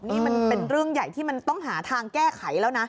นี่มันเป็นเรื่องใหญ่ที่มันต้องหาทางแก้ไขแล้วนะ